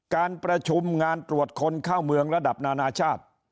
การประชุมงานตรวจคนเข้าเมืองระดับนานาชาติ